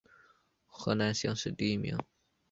河南乡试第一名。